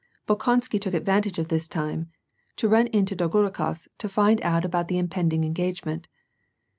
Bolkonsky took advantage of this time to run into Dolgo mkof 8 to fin4 out about the impending engagement.